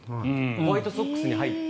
ホワイトソックスに入って